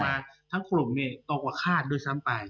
ทั้งกลุ่มเนี่ยโตกว่าคาดด้วยซ้ำไป